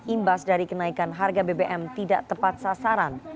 imbas dari kenaikan harga bbm tidak tepat sasaran